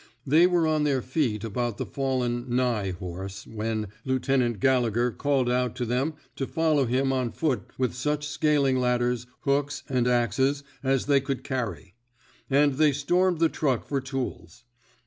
They were on their feet about the fallen nigh *' horse when Lieutenant Gallegher called out to them to follow him on foot with such scal ing ladders, hooks, and axes as they could carry; and they stormed the truck for tools.